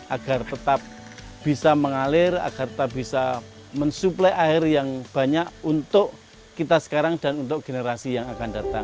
agar tetap bisa mengalir agar bisa mensuplai air yang banyak untuk kita sekarang dan untuk generasi yang akan datang